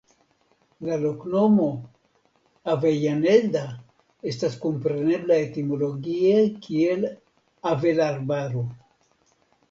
La loknomo "Avellaneda" estas komprenebla etimologie kiel "Avelarbaro".